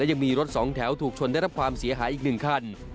ยังมีรถสองแถวถูกชนได้รับความเสียหายอีก๑คัน